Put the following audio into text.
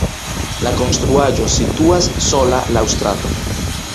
La konstruaĵo situas sola laŭ strato.